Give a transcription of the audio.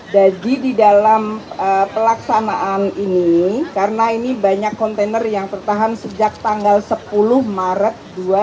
jadi di dalam pelaksanaan ini karena ini banyak kontainer yang tertahan sejak tanggal sepuluh maret dua ribu dua puluh empat